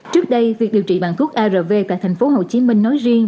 trước đây việc điều trị bằng thuốc arv tại tp hcm nói riêng